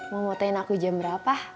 mau motoin aku jam berapa